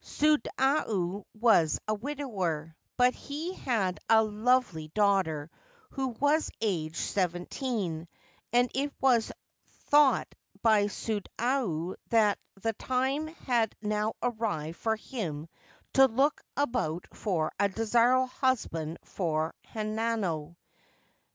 SodayiijvasjijKadower ; but he had a 4o£ely_da_ughter who was aged seventeen, and it was thought by Sodayu that the time had now arrived for him to look about for a desirable husband for Hanano.